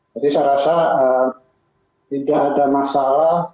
jadi saya rasa tidak ada masalah